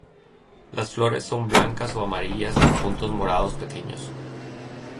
Las flores son blancas o amarillas con puntos morados pequeños.